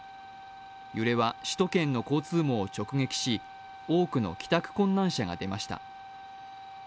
揺れは首都圏の交通網を直撃し多くの帰宅困難者が出ました。